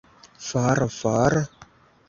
For, for!